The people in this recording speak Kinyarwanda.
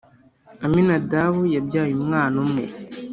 Aminadabu yabye umwana umwe.